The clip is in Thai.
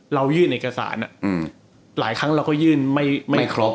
เรายื่นเอกสารหลายครั้งเราก็ยื่นไม่ครบ